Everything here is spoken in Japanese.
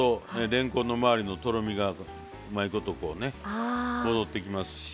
れんこんの周りのとろみがうまいことこうね戻ってきますし。